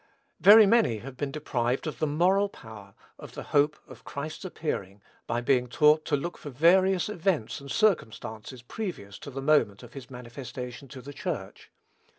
Very many have been deprived of the moral power of the hope of Christ's appearing, by being taught to look for various events and circumstances previous to the moment of his manifestation to the Church.